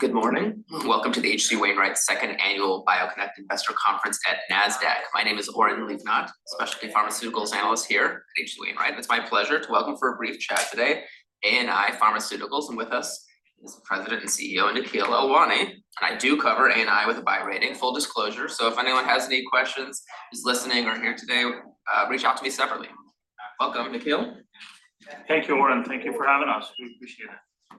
Good morning. Welcome to the H.C. Wainwright's Second Annual BioConnect Investor Conference at Nasdaq. My name is Oren Livnat, Specialty Pharmaceuticals Analyst here at H.C. Wainwright, and it's my pleasure to welcome for a brief chat today, ANI Pharmaceuticals, and with us is the President and CEO, Nikhil Lalwani. I do cover ANI with a buy rating, full disclosure, so if anyone has any questions, who's listening or here today, reach out to me separately. Welcome, Nikhil. Thank you, Oren. Thank you for having us. We appreciate it.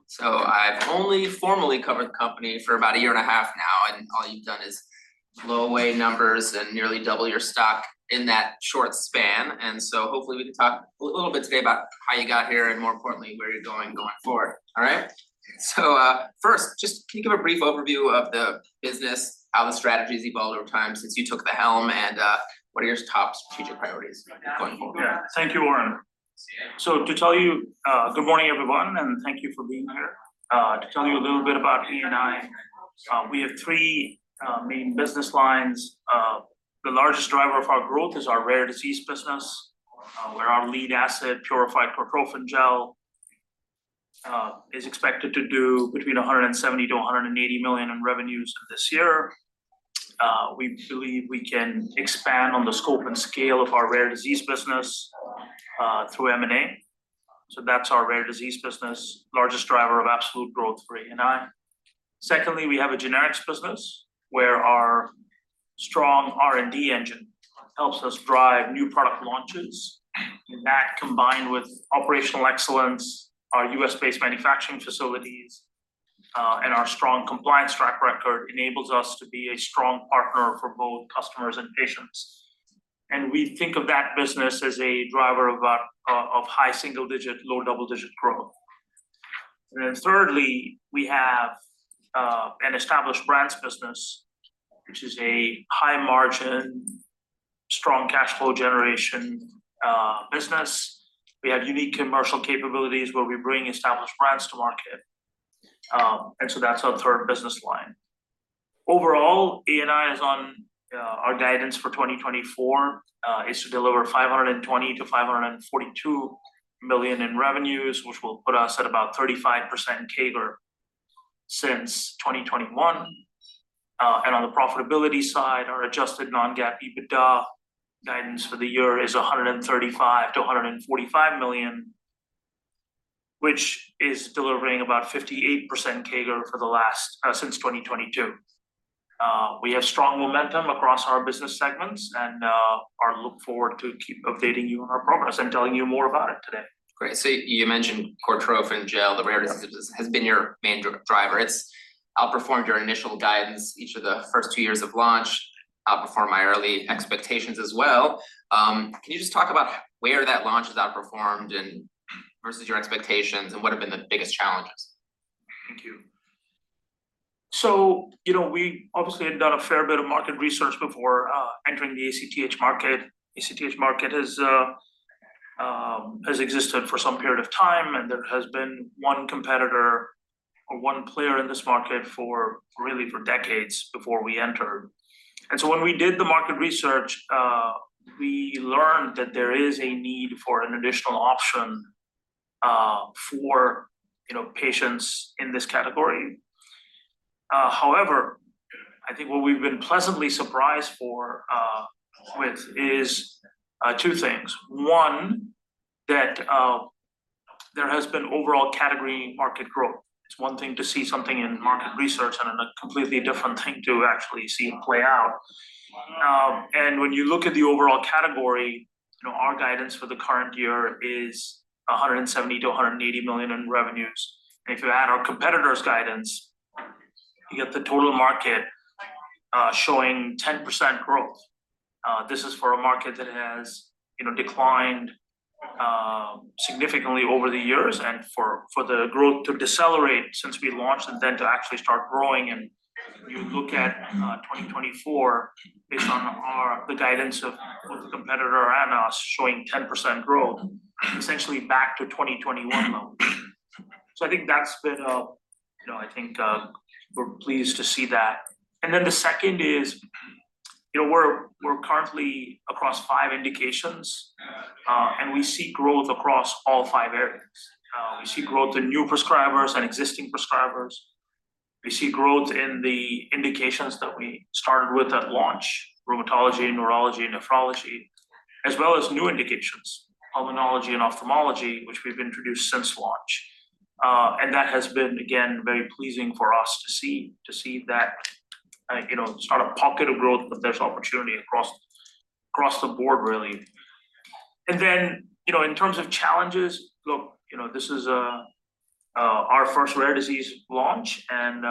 So I've only formally covered the company for about a year and a half now, and all you've done is blow away numbers and nearly double your stock in that short span. And so hopefully, we can talk a little bit today about how you got here, and more importantly, where you're going going forward. All right? So, first, just can you give a brief overview of the business, how the strategy's evolved over time since you took the helm, and, what are your top future priorities going forward? Yeah. Thank you, Oren. So to tell you... good morning, everyone, and thank you for being here. To tell you a little bit about ANI, we have three main business lines. The largest driver of our growth is our rare disease business, where our lead asset, Purified Cortrophin Gel, is expected to do between $170 million and $180 million in revenues this year. We believe we can expand on the scope and scale of our rare disease business through M&A. So that's our rare disease business, largest driver of absolute growth for ANI. Secondly, we have a generics business where our strong R&D engine helps us drive new product launches, and that, combined with operational excellence, our U.S.-based manufacturing facilities, and our strong compliance track record, enables us to be a strong partner for both customers and patients. We think of that business as a driver of high single digit, low double-digit growth. Then thirdly, we have an established brands business, which is a high margin, strong cash flow generation business. We have unique commercial capabilities where we bring established brands to market, and so that's our third business line. Overall, ANI is on our guidance for 2024 is to deliver $520 million-$542 million in revenues, which will put us at about 35% CAGR since 2021. On the profitability side, our adjusted non-GAAP EBITDA guidance for the year is $135 million-$145 million, which is delivering about 58% CAGR for the last since 2022. We have strong momentum across our business segments and, I look forward to keep updating you on our progress and telling you more about it today. Great. So you mentioned Cortrophin Gel, the rare disease, has been your main driver. It's outperformed your initial guidance, each of the first two years of launch, outperformed my early expectations as well. Can you just talk about where that launch has outperformed and versus your expectations, and what have been the biggest challenges? Thank you. So, you know, we obviously had done a fair bit of market research before entering the ACTH market. ACTH market has existed for some period of time, and there has been one competitor or one player in this market for, really, for decades before we entered. And so when we did the market research, we learned that there is a need for an additional option for, you know, patients in this category. However, I think what we've been pleasantly surprised for with is two things. One, that there has been overall category market growth. It's one thing to see something in market research and a completely different thing to actually see it play out. And when you look at the overall category, you know, our guidance for the current year is $170 million-$180 million in revenues. And if you add our competitor's guidance, you get the total market showing 10% growth. This is for a market that has, you know, declined significantly over the years and for the growth to decelerate since we launched and then to actually start growing. And you look at 2024, based on our, the guidance of both the competitor and us showing 10% growth, essentially back to 2021 levels. So I think that's been, you know, I think, we're pleased to see that. And then the second is, you know, we're currently across five indications, and we see growth across all five areas. We see growth in new prescribers and existing prescribers. We see growth in the indications that we started with at launch, rheumatology, neurology, and nephrology, as well as new indications, pulmonology and ophthalmology, which we've introduced since launch. And that has been, again, very pleasing for us to see, to see that, you know, it's not a pocket of growth, but there's opportunity across the board, really. And then, you know, in terms of challenges, look, you know, this is our first rare disease launch, and you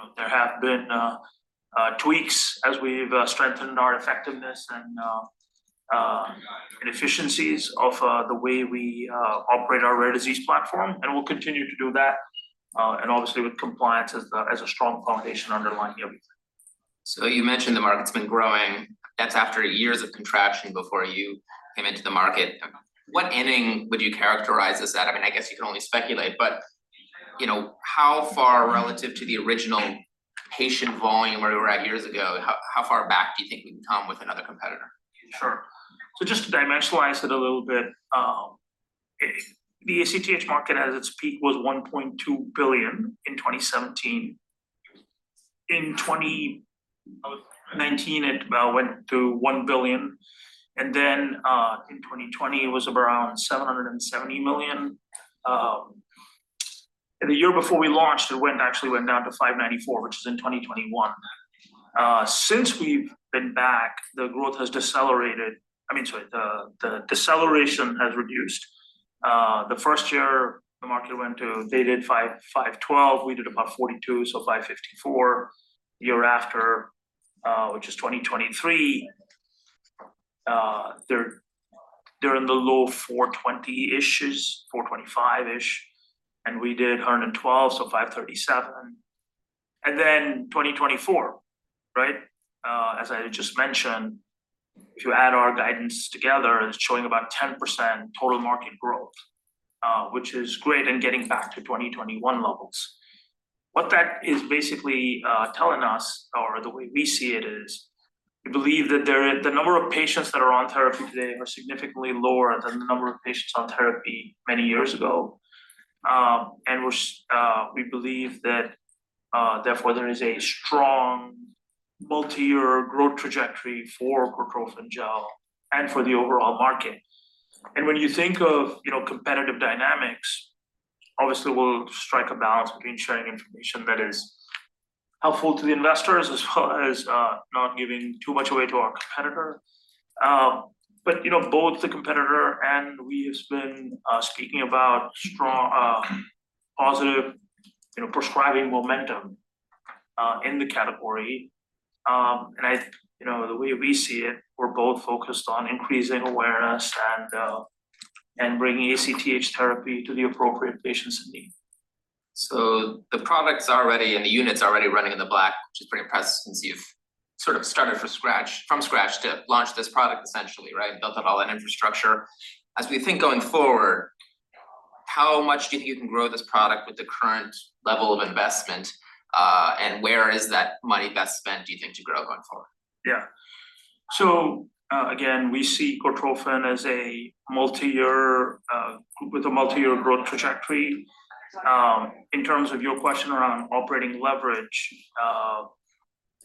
know, there have been tweaks as we've strengthened our effectiveness and efficiencies of the way we operate our rare disease platform, and we'll continue to do that, and obviously with compliance as a strong foundation underlying everything. So you mentioned the market's been growing. That's after years of contraction before you came into the market. What inning would you characterize this at? I mean, I guess you can only speculate, but, you know, how far relative to the original patient volume where we were at years ago, how, how far back do you think we can come with another competitor? Sure. So just to dimensionalize it a little bit... The ACTH market at its peak was $1.2 billion in 2017. In 2019, it about went to $1 billion, and then, in 2020, it was around $770 million. And the year before we launched, it went, actually went down to $594 million, which is in 2021. Since we've been back, the growth has decelerated. I mean, sorry, the, the deceleration has reduced. The first year the market went to, they did $512 million, we did about $42 million, so $554 million. Year after, which is 2023, they're, they're in the low $420-ish, $425-ish, and we did $112 million, so $537 million. And then 2024, right? As I just mentioned, if you add our guidance together, it's showing about 10% total market growth, which is great and getting back to 2021 levels. What that is basically telling us, or the way we see it is, we believe that there are the number of patients that are on therapy today are significantly lower than the number of patients on therapy many years ago. We believe that therefore there is a strong multi-year growth trajectory for Cortrophin Gel and for the overall market. And when you think of, you know, competitive dynamics, obviously, we'll strike a balance between sharing information that is helpful to the investors, as well as not giving too much away to our competitor. You know, both the competitor and we have been speaking about strong positive, you know, prescribing momentum in the category. I, you know, the way we see it, we're both focused on increasing awareness and bringing ACTH therapy to the appropriate patients in need. So the product's already, and the unit's already running in the black, which is pretty impressive, since you've sort of started from scratch, from scratch to launch this product, essentially, right? Built up all that infrastructure. As we think going forward, how much do you think you can grow this product with the current level of investment, and where is that money best spent, do you think, to grow going forward? Yeah. So, again, we see Cortrophin as a multi-year, with a multi-year growth trajectory. In terms of your question around operating leverage,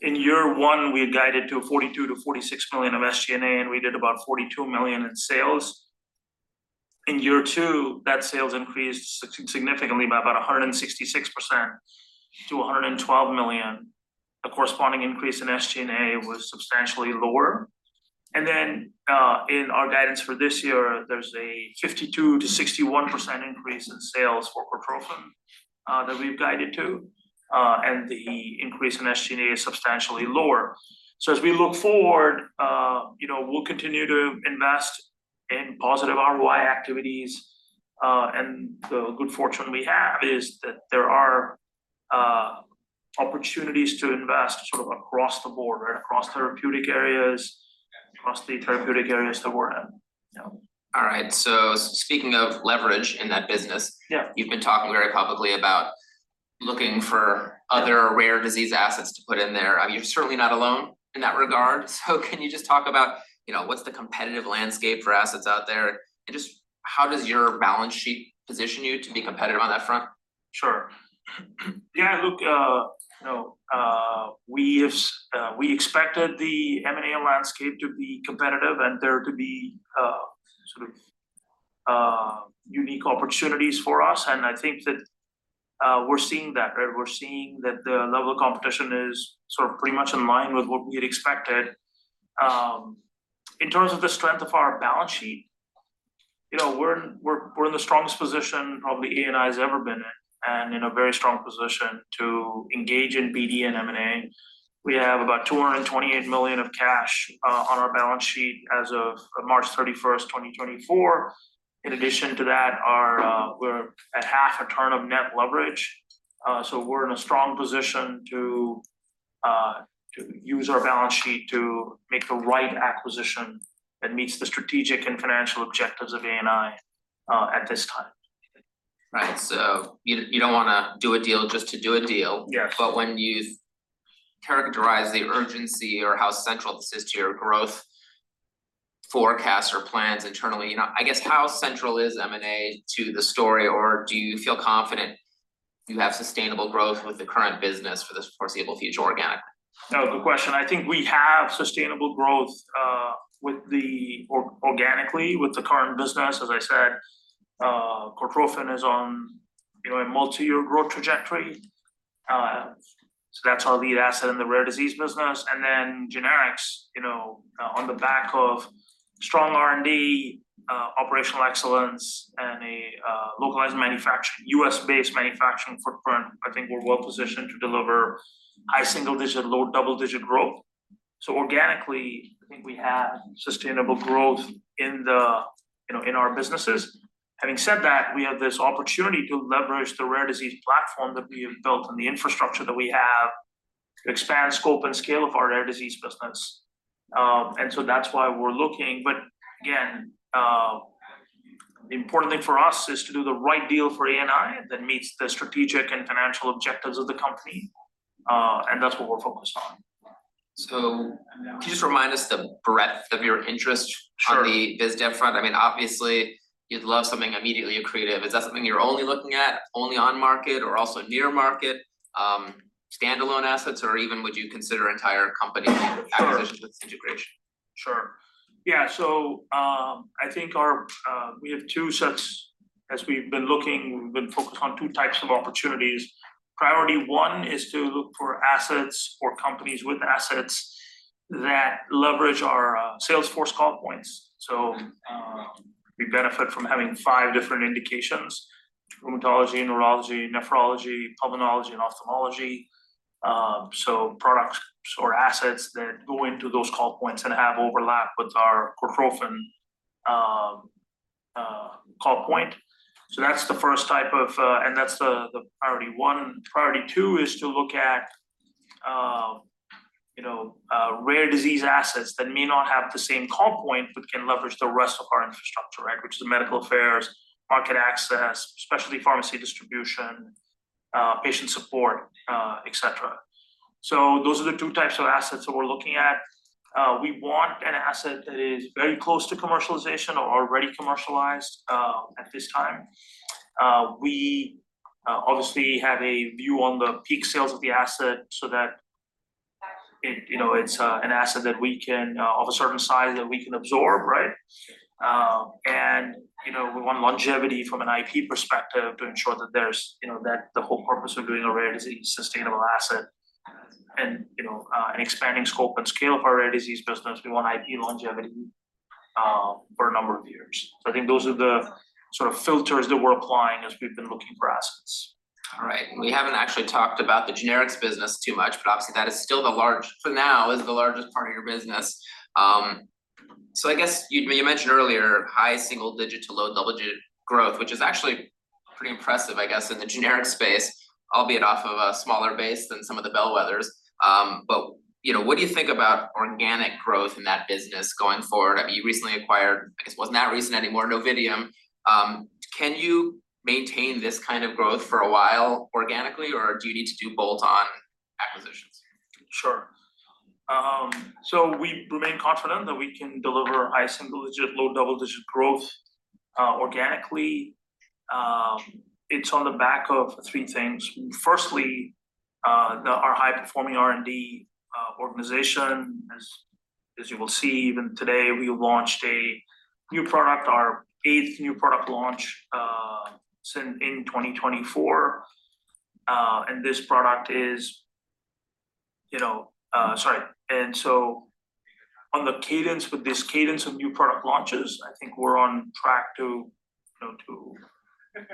in year one, we guided to $42 million-$46 million of SG&A, and we did about $42 million in sales. In year two, that sales increased significantly by about 166% to $112 million. The corresponding increase in SG&A was substantially lower. And then, in our guidance for this year, there's a 52%-61% increase in sales for Cortrophin, that we've guided to, and the increase in SG&A is substantially lower. So as we look forward, you know, we'll continue to invest in positive ROI activities, and the good fortune we have is that there are opportunities to invest sort of across the board, across therapeutic areas, across the therapeutic areas that we're in. All right, so speaking of leverage in that business- Yeah. You've been talking very publicly about looking for other rare disease assets to put in there. You're certainly not alone in that regard. So can you just talk about, you know, what's the competitive landscape for assets out there, and just how does your balance sheet position you to be competitive on that front? Sure. Yeah, look, you know, we have, we expected the M&A landscape to be competitive and there to be, sort of, unique opportunities for us, and I think that, we're seeing that, right? We're seeing that the level of competition is sort of pretty much in line with what we had expected. In terms of the strength of our balance sheet, you know, we're in the strongest position probably ANI has ever been in, and in a very strong position to engage in BD and M&A. We have about $228 million of cash on our balance sheet as of March 31st, 2024. In addition to that, we're at half a turn of net leverage, so we're in a strong position to use our balance sheet to make the right acquisition that meets the strategic and financial objectives of ANI at this time. Right. So you don't wanna do a deal just to do a deal. Yeah. But when you characterize the urgency or how central this is to your growth forecasts or plans internally, you know, I guess, how central is M&A to the story, or do you feel confident you have sustainable growth with the current business for the foreseeable future, organic? No, good question. I think we have sustainable growth organically, with the current business. As I said, Cortrophin is on, you know, a multi-year growth trajectory. So that's our lead asset in the rare disease business, and then generics, you know, on the back of strong R&D, operational excellence, and a localized manufacturing, U.S.-based manufacturing footprint. I think we're well positioned to deliver high single-digit, low double-digit growth. So organically, I think we have sustainable growth in the, you know, in our businesses. Having said that, we have this opportunity to leverage the rare disease platform that we have built and the infrastructure that we have to expand scope and scale of our rare disease business. And so that's why we're looking. But again, the important thing for us is to do the right deal for ANI that meets the strategic and financial objectives of the company, and that's what we're focused on.... So can you just remind us the breadth of your interest? Sure. On the biz dev front? I mean, obviously, you'd love something immediately accretive. Is that something you're only looking at, only on market or also near market, standalone assets, or even would you consider entire company- Sure. acquisitions with integration? Sure. Yeah, so, I think our, as we've been looking, we've been focused on two types of opportunities. Priority one is to look for assets or companies with assets that leverage our sales force call points. So, we benefit from having five different indications, rheumatology, neurology, nephrology, pulmonology, and ophthalmology. So products or assets that go into those call points and have overlap with our Cortrophin call point. So that's the first type of. And that's the priority one. Priority two is to look at, you know, rare disease assets that may not have the same call point, but can leverage the rest of our infrastructure, right? Which is the medical affairs, market access, specialty pharmacy distribution, patient support, etc. So those are the two types of assets that we're looking at. We want an asset that is very close to commercialization or already commercialized at this time. We obviously have a view on the peak sales of the asset so that it, you know, it's an asset that we can of a certain size that we can absorb, right? And, you know, we want longevity from an IP perspective to ensure that there's, you know, that the whole purpose of doing a rare disease, sustainable asset and, you know, an expanding scope and scale of our rare disease business. We want IP longevity for a number of years. So I think those are the sort of filters that we're applying as we've been looking for assets. All right. We haven't actually talked about the generics business too much, but obviously, that is still the large, for now, is the largest part of your business. So I guess you, you mentioned earlier, high single-digit to low double-digit growth, which is actually pretty impressive, I guess, in the generic space, albeit off of a smaller base than some of the bellwethers. But, you know, what do you think about organic growth in that business going forward? I mean, you recently acquired, I guess, well, not recent anymore, Novitium. Can you maintain this kind of growth for a while organically, or do you need to do bolt-on acquisitions? Sure. So we remain confident that we can deliver high single digit, low double-digit growth organically. It's on the back of three things. Firstly, our high-performing R&D organization. As you will see, even today, we launched a new product, our eighth new product launch since in 2024. And this product is, you know, sorry. And so on the cadence, with this cadence of new product launches, I think we're on track to, you know, to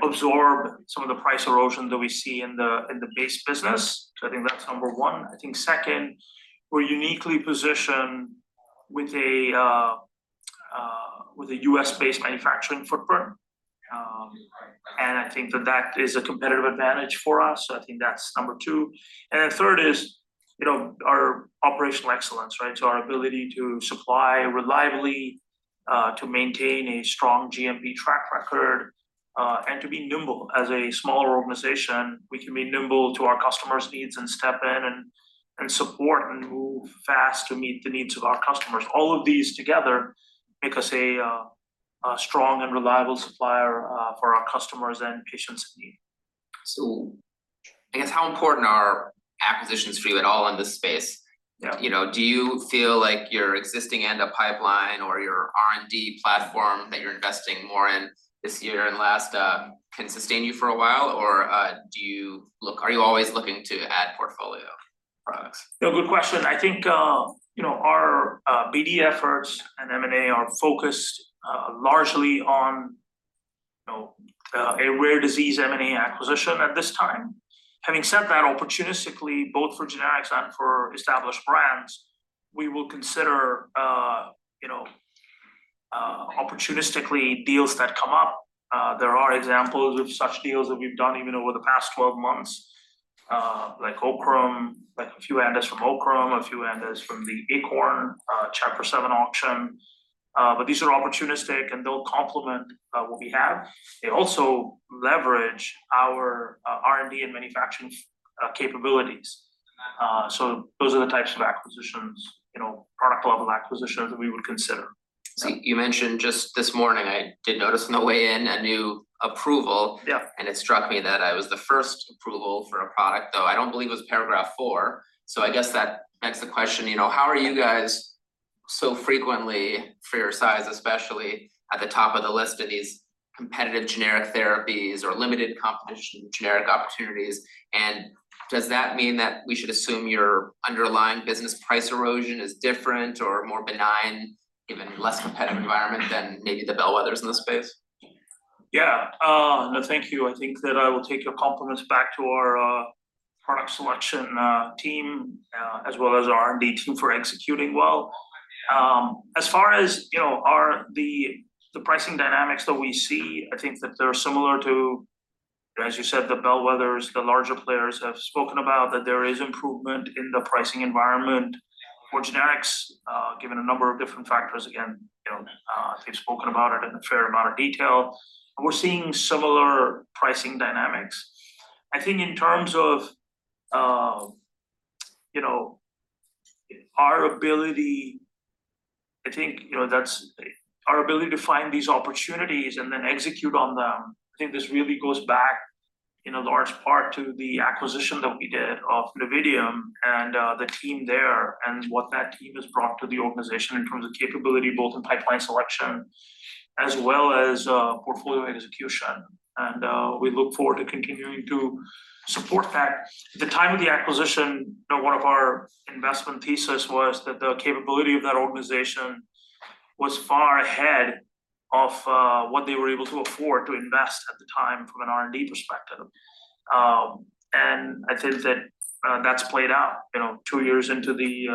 absorb some of the price erosion that we see in the base business. So I think that's number one. I think second, we're uniquely positioned with a U.S.-based manufacturing footprint. And I think that that is a competitive advantage for us. So I think that's number two. And then third is, you know, our operational excellence, right? Our ability to supply reliably, to maintain a strong GMP track record, and to be nimble. As a smaller organization, we can be nimble to our customers' needs and step in and support and move fast to meet the needs of our customers. All of these together make us a strong and reliable supplier, for our customers and patients need. I guess, how important are acquisitions for you at all in this space? Yeah. You know, do you feel like your existing and the pipeline or your R&D platform that you're investing more in this year and last can sustain you for a while, or are you always looking to add portfolio products? Yeah, good question. I think, you know, our BD efforts and M&A are focused largely on, you know, a rare disease M&A acquisition at this time. Having said that, opportunistically, both for generics and for established brands, we will consider, you know, opportunistically deals that come up. There are examples of such deals that we've done even over the past 12 months, like Oakrum, like a few ANDAs from Oakrum, a few ANDAs from the Akorn Chapter 7 auction. But these are opportunistic, and they'll complement what we have. They also leverage our R&D and manufacturing capabilities. So those are the types of acquisitions, you know, product level acquisitions that we would consider. So, you mentioned just this morning. I did notice, on the way in, a new approval. Yeah. It struck me that I was the first approval for a product, though I don't believe it was Paragraph IV. I guess that begs the question, you know, how are you guys so frequently for your size, especially at the top of the list of these competitive generic therapies or limited competition, generic opportunities? Does that mean that we should assume your underlying business price erosion is different or more benign, given less competitive environment than maybe the bellwethers in the space? Yeah. No, thank you. I think that I will take your compliments back to our product selection team as well as R&D team for executing well. As far as, you know, our, the pricing dynamics that we see, I think that they're similar to, as you said, the bellwethers. The larger players have spoken about that there is improvement in the pricing environment for generics, given a number of different factors. Again, you know, they've spoken about it in a fair amount of detail. We're seeing similar pricing dynamics. I think in terms of, you know, our ability, I think, you know, that's our ability to find these opportunities and then execute on them. I think this really goes back in a large part to the acquisition that we did of Novitium and, the team there, and what that team has brought to the organization in terms of capability, both in pipeline selection as well as, portfolio execution. And, we look forward to continuing to support that. At the time of the acquisition, you know, one of our investment thesis was that the capability of that organization was far ahead of, what they were able to afford to invest at the time from an R&D perspective. And I think that that's played out, you know, two years into the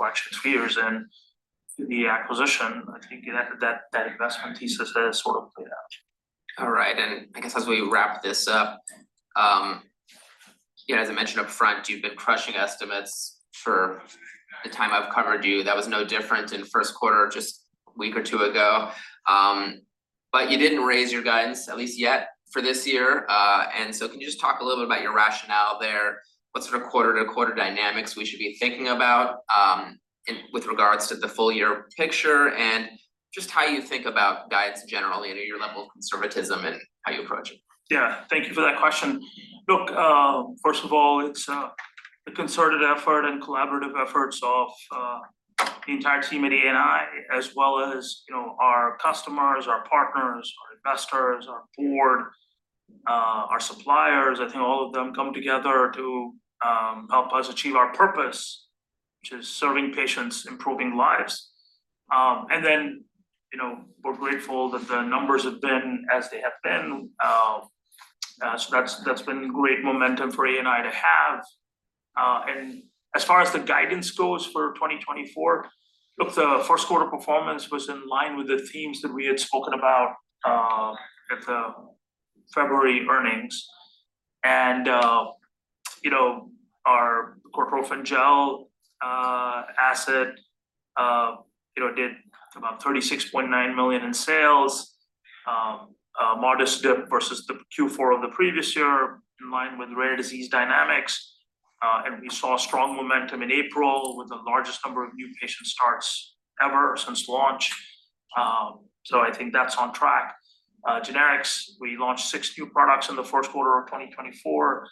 actual two years and the acquisition. I think that investment thesis has sort of played out. All right. And I guess as we wrap this up, yeah, as I mentioned up front, you've been crushing estimates for the time I've covered you. That was no different in first quarter, just a week or two ago. But you didn't raise your guidance, at least yet, for this year. And so can you just talk a little bit about your rationale there? What sort of quarter-to-quarter dynamics we should be thinking about, with regards to the full year picture, and just how you think about guides generally, and your level of conservatism, and how you approach it? Yeah. Thank you for that question. Look, first of all, it's a concerted effort and collaborative efforts of the entire team at ANI, as well as, you know, our customers, our partners, our investors, our board, our suppliers. I think all of them come together to help us achieve our purpose, which is serving patients, improving lives. And then, you know, we're grateful that the numbers have been as they have been. So that's, that's been great momentum for ANI to have. And as far as the guidance goes for 2024, look, the first quarter performance was in line with the themes that we had spoken about at the February earnings. You know, our Cortrophin Gel asset did about $36.9 million in sales, a modest dip versus the Q4 of the previous year, in line with rare disease dynamics. And we saw strong momentum in April, with the largest number of new patient starts ever since launch. So I think that's on track. Generics, we launched 6 new products in the first quarter of 2024,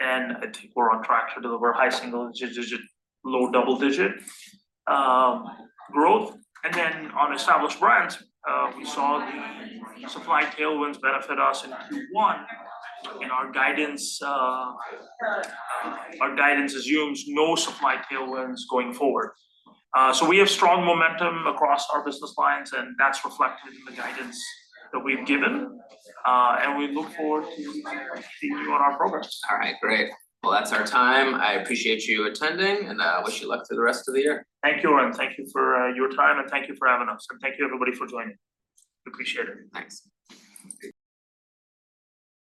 and I think we're on track to deliver high single-digit, low double-digit growth. Then on established brands, we saw the supply tailwinds benefit us in Q1, and our guidance assumes no supply tailwinds going forward. So we have strong momentum across our business lines, and that's reflected in the guidance that we've given. And we look forward to keeping you on our progress. All right, great. Well, that's our time. I appreciate you attending, and I wish you luck for the rest of the year. Thank you, Oren. Thank you for your time, and thank you for having us, and thank you, everybody, for joining. We appreciate it. Thanks.